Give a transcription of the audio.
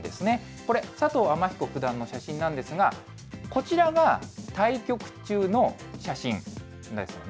これ、佐藤天彦九段の写真なんですが、こちらが対局中の写真ですよね。